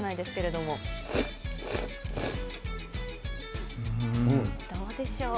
どうでしょう？